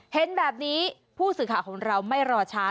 เห็นแบบนี้ผู้สื่อข่าวของเราไม่รอช้า